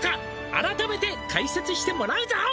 「改めて解説してもらうぞ」